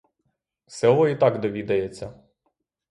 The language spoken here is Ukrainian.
Село і так довідається.